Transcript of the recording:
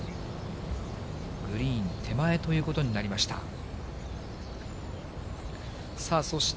グリーン手前ということになりました。